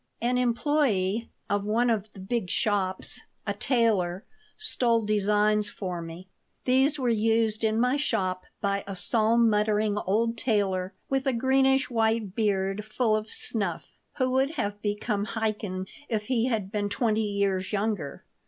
An employee of one of the big shops, a tailor, stole designs for me. These were used in my shop by a psalm muttering old tailor with a greenish white beard full of snuff, who would have become a Chaikin if he had been twenty years younger.